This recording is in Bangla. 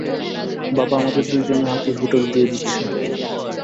বাবা আমাদের দুইজনের হাতেই হোটেল দিয়ে যাচ্ছে।